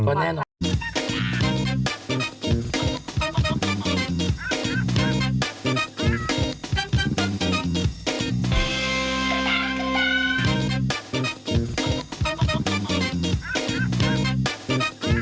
ก็แน่นอน